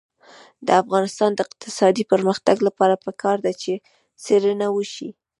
د افغانستان د اقتصادي پرمختګ لپاره پکار ده چې څېړنه وشي.